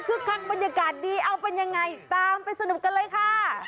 คือคักบรรยากาศดีเอาเป็นยังไงตามไปสนุกกันเลยค่ะ